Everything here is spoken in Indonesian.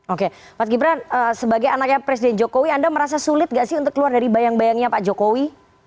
oke mas gibran sebagai anaknya presiden jokowi anda merasa sulit gak sih untuk keluar dari bayang bayangnya pak jokowi